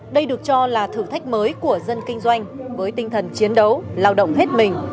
đây được cho là thử thách mới của dân kinh doanh với tinh thần chiến đấu lao động hết mình